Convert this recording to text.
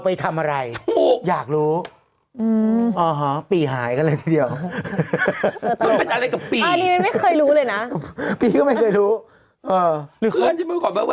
เปลี่ยนปี่พร้าวไฮโมเนียมไปกี่รอบแล้ว